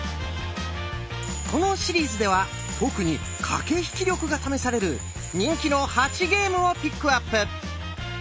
このシリーズでは特に駆け引き力が試される人気の８ゲームをピックアップ。